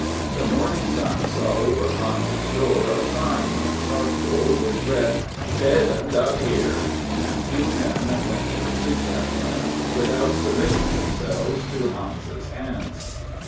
The morning sun saw over Hans's door a sign, in charcoal, which read, "SHAVIN' DUN HIER"; and few men went to the creek that morning without submitting themselves to Hans's hands.